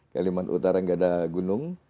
kalimantan utara nggak ada gunung